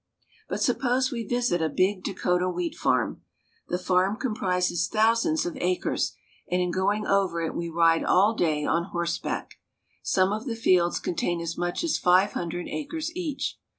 But suppose we visit a big Dakota wheat farm. The '% l66 THE NORTHWEST. farm comprises thousands of acres, and in going over it we ride all day on horseback. Some of the fields contain as much as five hundred acres each.